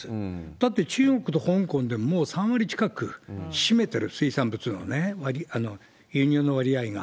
だって、中国と香港でもう３割近く占めてる、水産物の輸入の割合が。